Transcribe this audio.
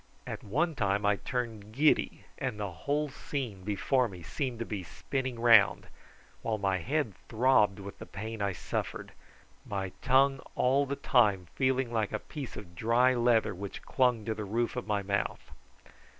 At one time I turned giddy and the whole scene before me seemed to be spinning round, while my head throbbed with the pain I suffered, my tongue all the time feeling like a piece of dry leather which clung to the roof of my mouth.